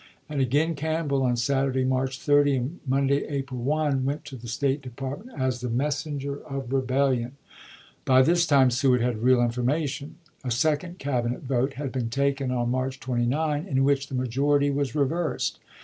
' and again Campbell, on Saturday, March 30, and 'Record'"11 Monday, April 1, went to the State Department as Vomente, oc tne messenger of rebellion. By this time Seward p m had real information. A second Cabinet vote had been taken, on March 29, in which the majority was reversed.